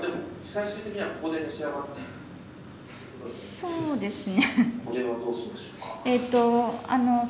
そうですね。